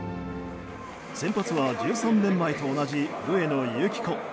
先発は１３年前と同じ上野由岐子。